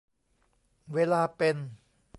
เวลาเป็น